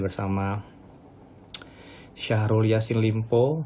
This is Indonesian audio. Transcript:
bersama syahrul yassin limpo